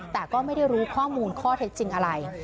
แต่ก็ไม่ได้รู้ข้อมูลข้อเท็จจริงอะไร